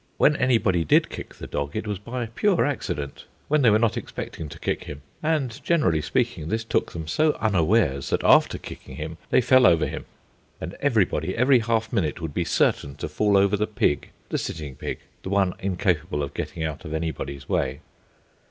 When anybody did kick the dog it was by pure accident, when they were not expecting to kick him; and, generally speaking, this took them so unawares that, after kicking him, they fell over him. And everybody, every half minute, would be certain to fall over the pig the sitting pig, the one incapable of getting out of anybody's way.